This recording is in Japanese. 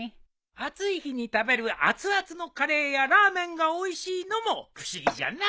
暑い日に食べる熱々のカレーやラーメンがおいしいのも不思議じゃな。